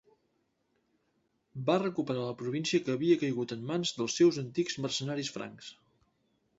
Va recuperar la província que havia caigut en mans dels seus antics mercenaris francs.